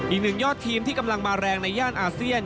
อีกหนึ่งยอดทีมที่กำลังมาแรงในย่านอาเซียน